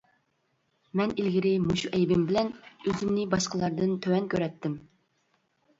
مەن ئىلگىرى مۇشۇ ئەيىبىم بىلەن ئۆزۈمنى باشقىلاردىن تۆۋەن كۆرەتتىم.